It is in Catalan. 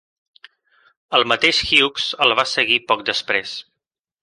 El mateix Hughes els va seguir poc després.